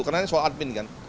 karena soal admin kan